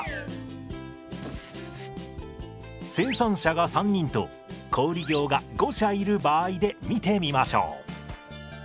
生産者が３人と小売業が５社いる場合で見てみましょう。